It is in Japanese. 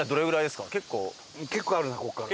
結構あるなここから。